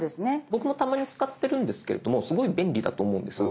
僕もたまに使ってるんですけれどもすごい便利だと思うんです。